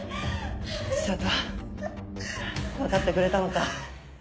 知里分かってくれたのか？